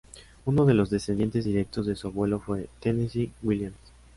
Uno de los descendientes directos de su abuelo fue Tennessee Williams.